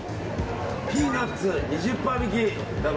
ピーナツ２０％引き。